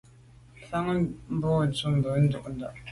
Mfan bon tshob ntùm ndà.